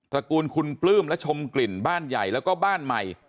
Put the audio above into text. ระกูลคุณปลื้มและชมกลิ่นบ้านใหญ่แล้วก็บ้านใหม่